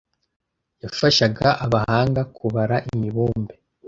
yafashaga abahanga kubara imibumbe